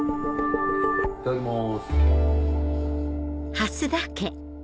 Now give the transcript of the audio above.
いただきます。